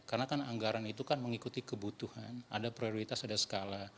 karena kan anggaran itu kan mengikuti kebutuhan ada prioritas ada skala